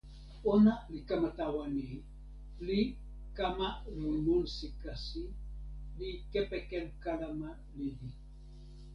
ona li kama tawa ni, li kama lon monsi kasi, li kepeken kalama lili.